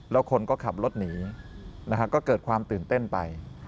แล้วคนก็ขับรถหนีก็เกิดความตื่นเต้นไป